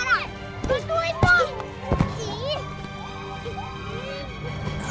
kamu gak boleh minta minta